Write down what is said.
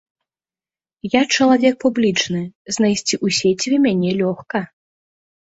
Я чалавек публічны, знайсці ў сеціве мяне лёгка.